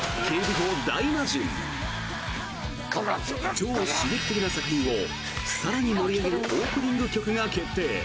超刺激的な作品を更に盛り上げるオープニング曲が決定！